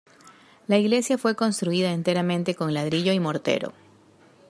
La iglesia fue construida enteramente con ladrillo y mortero.